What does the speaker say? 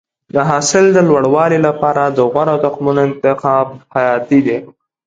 د حاصل د لوړوالي لپاره د غوره تخمونو انتخاب حیاتي دی.